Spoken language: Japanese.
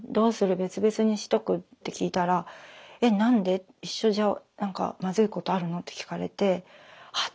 別々にしとく？」って聞いたら「えっなんで？一緒じゃなんかまずいことあるの？」って聞かれては！